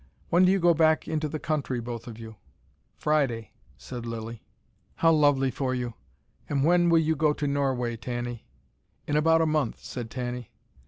When do you go back into the country, both of you?" "Friday," said Lilly. "How lovely for you! And when will you go to Norway, Tanny?" "In about a month," said Tanny.